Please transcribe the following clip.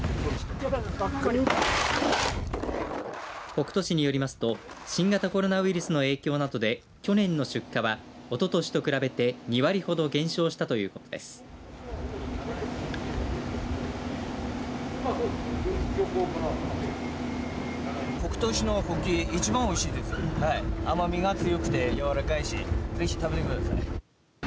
北斗市によりますと新型コロナウイルスの影響などで去年の出荷は、おととしと比べて２割ほど減少したということです。